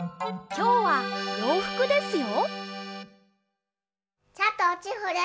きょうはようふくですよ。